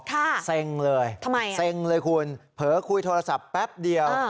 ค่ะทำไมอ่ะเส้งเลยคุณเผลอคุยโทรศัพท์แป๊บเดียว